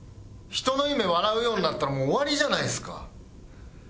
人の夢笑うようになったらもう終わりじゃないですか。